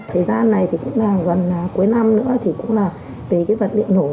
thời gian này thì cũng là gần cuối năm nữa thì cũng là về cái vật liệu nổ